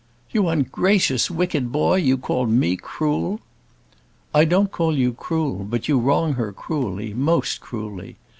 "You ungracious, wicked boy! you call me cruel!" "I don't call you cruel; but you wrong her cruelly, most cruelly.